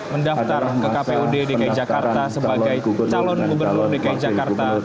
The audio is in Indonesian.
mendaftar ke kpud dki jakarta sebagai calon gubernur dki jakarta